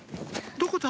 どこだ？」